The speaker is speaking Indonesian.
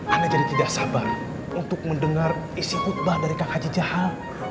anda jadi tidak sabar untuk mendengar isi khutbah dari kak haji jahal